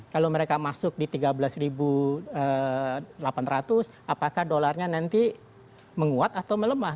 kalau mereka masuk di tiga belas delapan ratus apakah dolarnya nanti menguat atau melemah